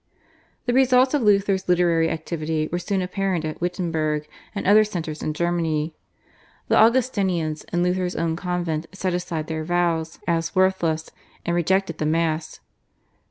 The results of Luther's literary activity were soon apparent at Wittenberg and other centres in Germany. The Augustinians in Luther's own convent set aside their vows as worthless, and rejected the Mass.